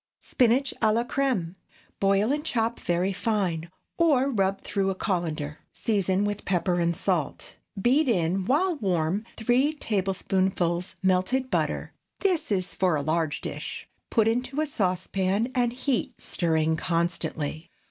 SPINACH À LA CRÈME. Boil and chop very fine, or rub through a cullender. Season with pepper and salt. Beat in, while warm, three tablespoonfuls melted butter (this is for a large dish). Put into a saucepan and heat, stirring constantly.